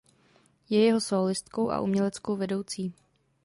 Je jeho sólistkou a uměleckou vedoucí.